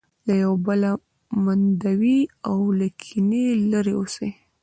له یو بله منندوی او له کینې لرې اوسي.